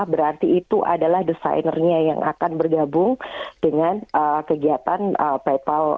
berarti itu adalah desainernya yang akan bergabung dengan kegiatan patle